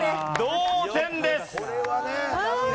同点です。